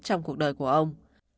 trong cuộc đời của ông